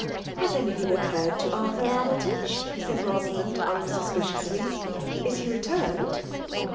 '' Has anything occurred to Artibiur Army tage ?" said Rosamond, unsuspiciouiiy, '' Is he returned